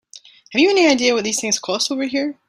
Have you any idea what these things cost over here?